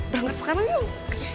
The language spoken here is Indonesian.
langkat sekarang yuk